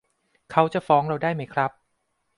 เขาจะฟ้องเราได้ไหมครับ